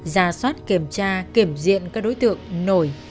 ra soát kiểm tra kiểm diện các đối tượng nổi